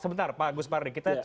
bentar pak gus pardik